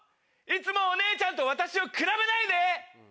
いつもお姉ちゃんと私を比べないで！